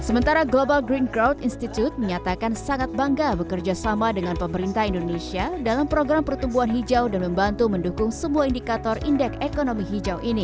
sementara global green crowd institute menyatakan sangat bangga bekerja sama dengan pemerintah indonesia dalam program pertumbuhan hijau dan membantu mendukung semua indikator indeks ekonomi hijau ini